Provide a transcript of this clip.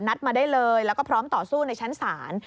นัดมาได้เลยแล้วก็พร้อมต่อสู้ในชั้นศาล